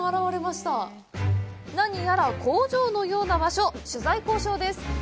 何やら工場のような場所取材交渉です